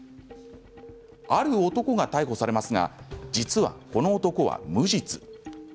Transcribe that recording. ある男が逮捕されますが実は、この男は無実。